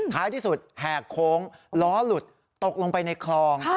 ท้ายที่สุดแหกโค้งล้อหลุดตกลงไปในคลอง